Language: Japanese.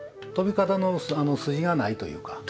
飛び方の筋がないというか。